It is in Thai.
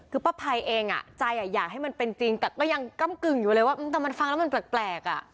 คือป้าภัยเองใจอยากให้มันเป็นจริงแต่ก็ยังกำกึ่งอยู่เลยว่าแต่มันฟังแล้วมันแปลกอ่ะ